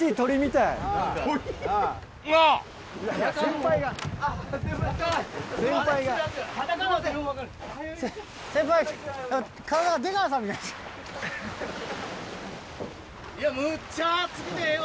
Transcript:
いやむっちゃ熱くてええわ！